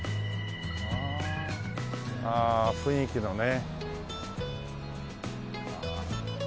ああ雰囲気のね。